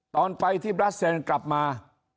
ตอนไปที่บราเซนกลับมา